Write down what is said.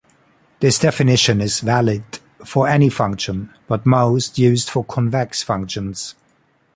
This definition is valid for any function, but most used for convex functions.